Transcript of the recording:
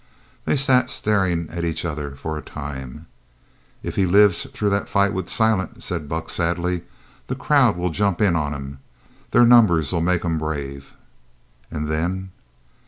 They sat staring at each other for a time. "If he lives through that fight with Silent," said Buck sadly, "the crowd will jump in on him. Their numbers'll make 'em brave." "An' then?"